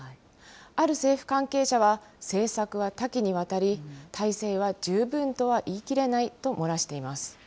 ある政府関係者は、政策は多岐にわたり、体制は十分とは言い切れないと漏らしています。